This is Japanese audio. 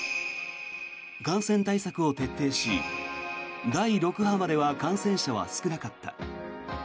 感染対策を徹底し、第６波までは感染者は少なかった。